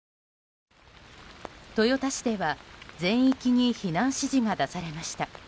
豊田市では全域に避難指示が出されました。